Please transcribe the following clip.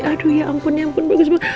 aduh ya ampun ya ampun bagus banget